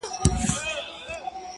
د چا د ويښ زړگي ميسج ننوت~